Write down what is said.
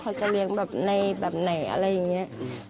เขาจะเลี้ยงแบบในแบบไหนอะไรอย่างนี้